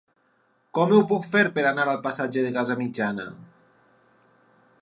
Com ho puc fer per anar al passatge de Casamitjana?